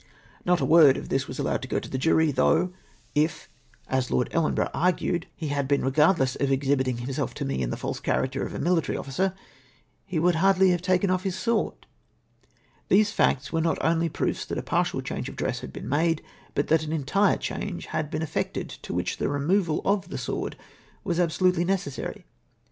Not a word HIS ASSUMPTION OF THINGS NOT IN EVIDENCE, 375 of this was allowed to go to the jury, though if — as Lord Elleiiborougli argued — he had been regardless of exhibitino; himself to me in the false character of a military officer, he would hardly have taken off his sword ! These facts were not only proofs that a partial change of dress had been made, but that an entire change had been effected, to which the removal of the sword was absolutely necessary.